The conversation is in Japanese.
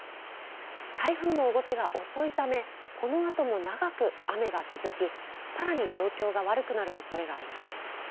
台風の動きが遅いため、このあとも長く雨が続き、さらに状況が悪くなるおそれがあります。